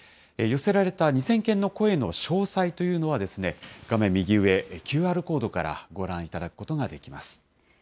寄せられた２０００件の声の詳細というのは、画面右上、ＱＲコードからご覧いただくことができます。